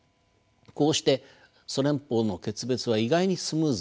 こうしてソ連邦の決別は意外にスムーズでした。